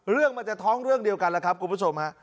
เรื่องมันจะท้องเรื่องเดียวกันแล้วครับคุณผู้ชมฮะ